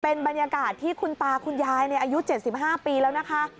เป็นบรรยากาศที่คุณตาคุณยายอายุ๗๕ปีแล้วนะคะ